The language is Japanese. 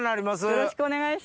よろしくお願いします。